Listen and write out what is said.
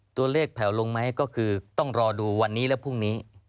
แผ่วลงไหมก็คือต้องรอดูวันนี้และพรุ่งนี้